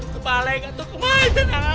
kepala ikat tuh kemana sena